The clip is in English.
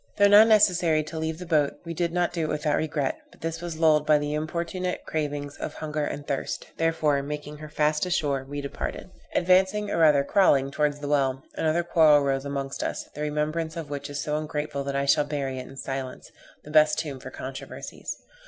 Though now necessary to leave the boat, we did not do it without regret; but this was lulled by the importunate cravings of hunger and thirst; therefore, making her fast ashore, we departed. Advancing, or rather crawling towards the well, another quarrel rose amongst us, the remembrance of which is so ungrateful that I shall bury it in silence, the best tomb for controversies.